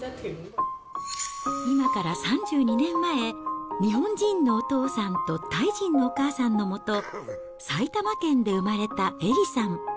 今から３２年前、日本人のお父さんとタイ人のお母さんのもと、埼玉県で生まれたエリさん。